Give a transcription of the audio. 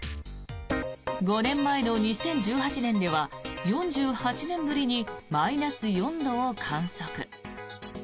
５年前の２０１８年では４８年ぶりにマイナス４度を観測。